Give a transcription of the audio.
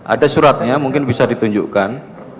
ada suratnya mungkin bisa ditunjukkan